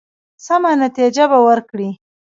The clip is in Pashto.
سمه نتیجه به ورکړي.